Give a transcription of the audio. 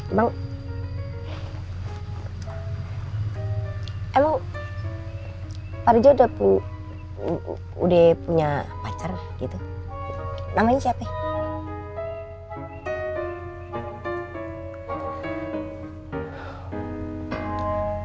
emang emang pak rizal udah punya pacar gitu namanya siapa ya